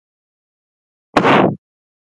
تېره شپه ډېر توند باد لګېده.